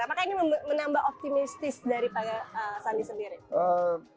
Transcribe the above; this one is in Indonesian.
apakah ini menambah optimistis dari pak sandi sendiri